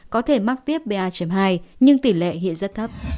có thể mắc tiếp ba hai nhưng tỷ lệ hiện rất thấp